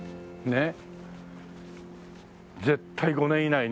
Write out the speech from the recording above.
ねっ。